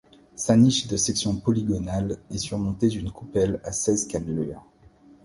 Sa niche de section polygonale est surmontée d'une coupolette à seize cannelures.